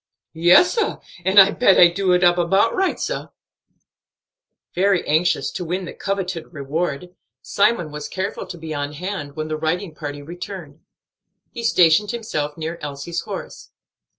"Yes, sah, and I bet I do it up about right, sah." Very anxious to win the coveted reward, Simon was careful to be on hand when the riding party returned. He stationed himself near Elsie's horse.